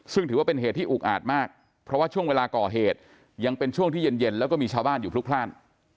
ซึ่งถือว่าเป็นเหตุที่อุกอาจมากเพราะว่าช่วงเวลาก่อเหตุยังเป็นช่วงที่เย็นแล้วก็มีชาวบ้านอยู่พลุกพลาด